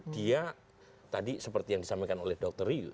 dia tadi seperti yang disampaikan oleh dr ryu